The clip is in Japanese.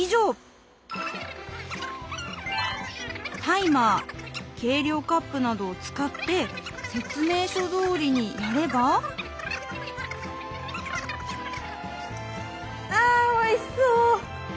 タイマー計量カップなどを使って説明書どおりにやればあおいしそう！